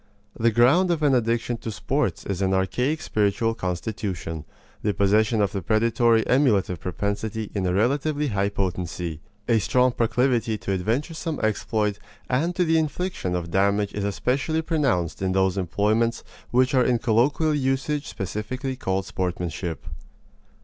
The ground of an addiction to sports is an archaic spiritual constitution the possession of the predatory emulative propensity in a relatively high potency, a strong proclivity to adventuresome exploit and to the infliction of damage is especially pronounced in those employments which are in colloquial usage specifically called sportsmanship.